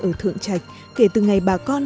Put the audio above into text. ở thượng trạch kể từ ngày bà con